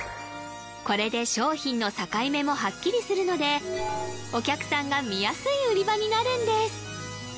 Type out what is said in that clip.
これで商品の境目もはっきりするのでお客さんが見やすい売り場になるんです